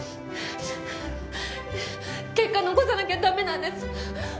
結果残さなきゃだめなんです。